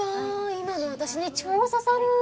今の私に超刺さる！